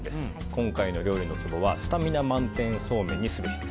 今回の料理のツボはスタミナ満点そうめんにすべし。